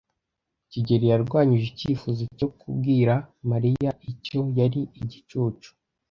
kigeli yarwanyije icyifuzo cyo kubwira Mariya icyo yari igicucu.